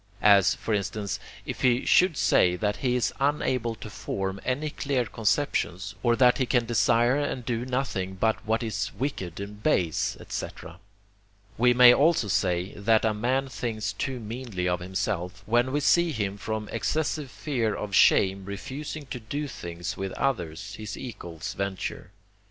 As, for instance, if he should say that he is unable to form any clear conceptions, or that he can desire and do nothing but what is wicked and base, &c. We may also say, that a man thinks too meanly of himself, when we see him from excessive fear of shame refusing to do things which others, his equals, venture.